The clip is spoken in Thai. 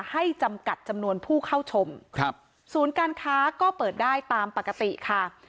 ให้จำกัดจำนวนผู้เข้าชมสูญการค้าก็เปิดได้ตามปกติค่ะ